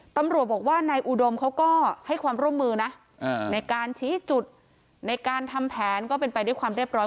ตำรวจบอกว่านายอุดมเขาก็ให้ความร่วมมือนะในการชี้จุดในการทำแผนก็เป็นไปด้วยความเรียบร้อย